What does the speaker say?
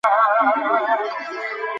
تطبیقي پوښتنې په څېړنو کې مهم رول لري.